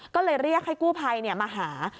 ก็เลยเรียกให้กู้ภัยมาหา